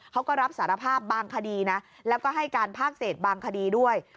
เขาก็รับสารภาพบางคดีนะแล้วก็ให้การภาคเศษบางคดีด้วย